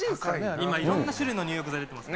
今、いろんな種類の入浴剤入れてますね。